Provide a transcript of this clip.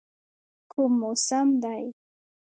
کوم موسم دی؟